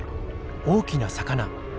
大きな魚。